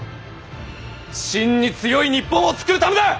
真に強い日本を作るためだ！